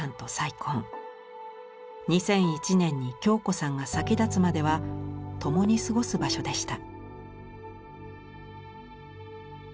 ２００１年に京子さんが先立つまでは共に過ごす場所でした。